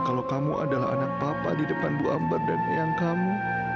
kalau kamu adalah anak papa di depan bu ambar dan eyang kamu